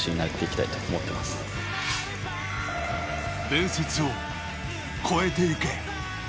伝説を超えてゆけ。